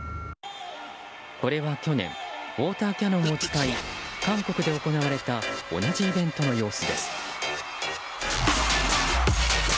これは去年ウォーターキャノンを使い韓国で行われた同じイベントの様子です。